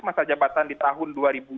masa jabatan di tahun dua ribu dua puluh